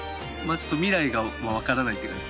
あちょっと未来がわからないっていう感じ。